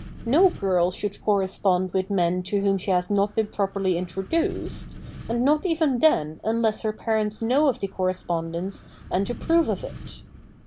No girl should correspond with men to whom she has not been properly introduced, and not even then unless her parents know of the correspondence and approve of it.